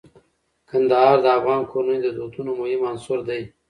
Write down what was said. کندهار د افغان کورنیو د دودونو مهم عنصر دی.